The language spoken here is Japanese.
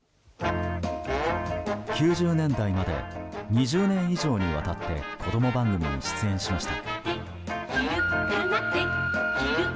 ９０年代まで２０年以上にわたって子供番組に出演しました。